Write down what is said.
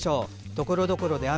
ところどころで雨。